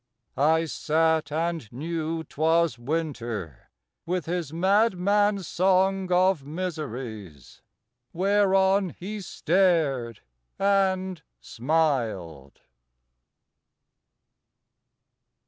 I sat And knew 'twas Winter with his madman song Of miseries, whereon he stared and smiled.